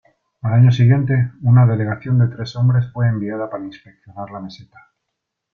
Al año siguiente, una delegación de tres hombres fue enviada para inspeccionar la meseta.